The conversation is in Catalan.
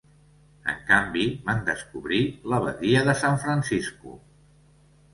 En canvi, van descobrir la Badia de San Francisco.